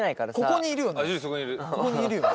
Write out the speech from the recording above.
ここにいるよな？